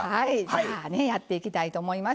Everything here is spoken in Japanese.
やっていきたいと思います。